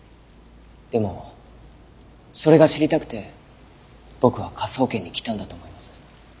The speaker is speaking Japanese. でもそれが知りたくて僕は科捜研に来たんだと思います。